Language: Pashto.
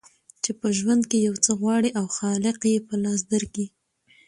چي په ژوند کي یو څه غواړې او خالق یې په لاس درکي